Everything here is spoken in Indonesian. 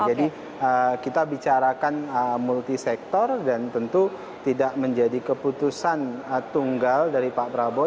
jadi kita bicarakan multisektor dan tentu tidak menjadi keputusan tunggal dari pak prabowo